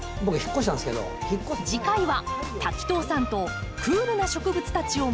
次回は滝藤さんとクールな植物たちをめでる